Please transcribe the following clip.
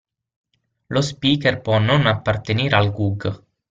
Lo speaker può non appartenere al GUG.